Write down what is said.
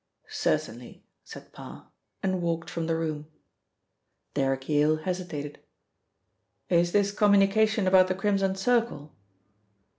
"Certainly," said Parr, and walked from the room. Derrick Yale hesitated. "Is this communication about the Crimson Circle?"